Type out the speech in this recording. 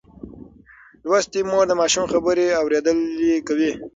لوستې مور د ماشوم خبرې اورېدلي کوي.